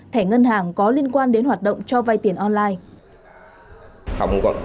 thẻ ngân hàng có liên quan đến hoạt động cho vay tiền online